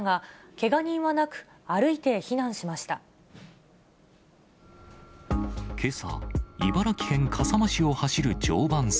けさ、茨城県笠間市を走る常磐線。